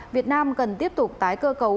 việt nam cần tiếp tục tái cơ cấu